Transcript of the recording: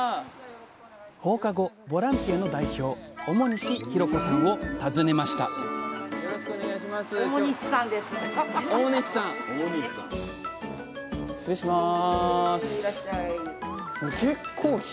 放課後ボランティアの代表表西弘子さんを訪ねました失礼します。